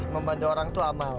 membantu orang itu amal